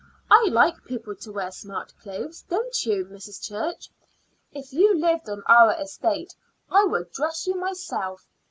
"I like people to wear smart clothes, don't you, Mrs. Church? If you lived on our estate, I would dress you myself.